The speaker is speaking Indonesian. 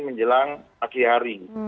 menjelang pagi hari